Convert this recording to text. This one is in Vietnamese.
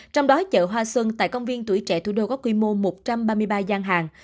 trong đó chợ hoa xuân tại công viên tuổi trẻ thủ đô có quy mô một trăm ba mươi ba gian hàng